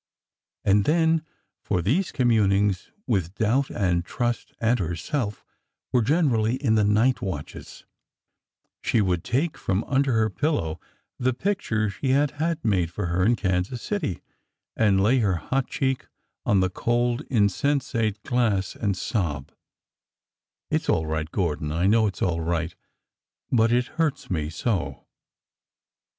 And then— for these communings with doubt and trust and herself were generally in the night watches— she would take from under her pillow the picture he had had made for her in Kansas City, and lay her hot cheek on the cold, insensate glass and sob : It 's all right, Gordon !— I know it 's all right,— but— it hurts me so